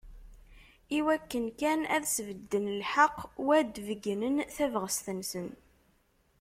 Iwakken kan ad sbedden lḥeqq u ad d-beyynen tabɣest-nsen.